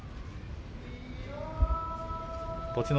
栃ノ